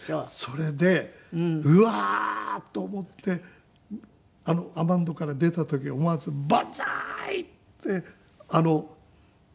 それでうわー！と思ってアマンドから出た時思わずバンザーイ！ってあの狭い。